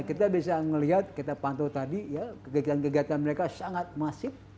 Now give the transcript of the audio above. kita bisa melihat kita pantau tadi ya kegiatan kegiatan mereka sangat masif